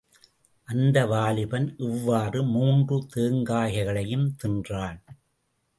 அந்த வாலிபன் இவ்வாறு மூன்று தேங்காய்களையும் தின்றான்.